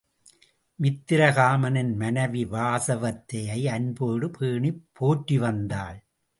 மித்திரகாமனின் மனைவி வாசவதத்தையை அன்போடு பேணிப் போற்றி வந்தாள்.